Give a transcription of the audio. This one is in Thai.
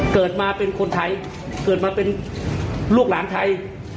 เกิดมาเป็นคนไทยเกิดมาเป็นลูกหลานไทย